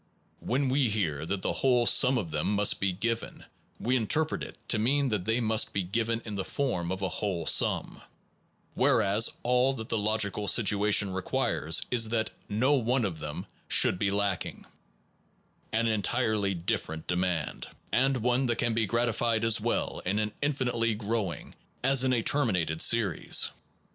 When we hear that the whole sum of them must be given, we interpret it to mean that they must be given in the form of a whole sum, whereas all that the logical situa tion requires is that no one of them should be lacking, an entirely different demand, and one that can be gratified as well in an infinitely growing as in a terminated series.